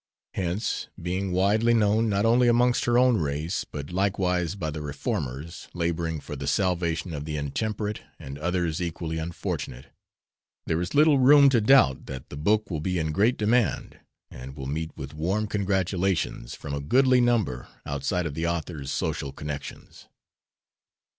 Hence, being widely known not only amongst her own race but likewise by the reformers, laboring for the salvation of the intemperate and others equally unfortunate, there is little room to doubt that the book will be in great demand and will meet with warm congratulations from a goodly number outside of the author's social connections.